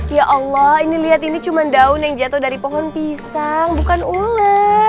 ya allah ini lihat ini cuma daun yang jatuh dari pohon pisang bukan ule